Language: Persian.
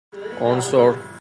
عنصر